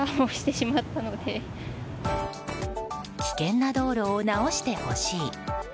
危険な道路を直してほしい。